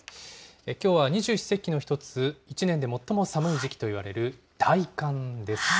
きょうは二十四節気の一つ、一年で最も寒い時期といわれる大寒です。